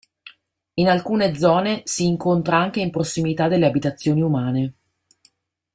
In alcune zone si incontra anche in prossimità delle abitazioni umane.